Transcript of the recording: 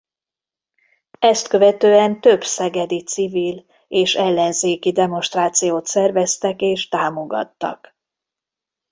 Ezt követően több szegedi civil- és ellenzéki demonstrációt szerveztek és támogattak.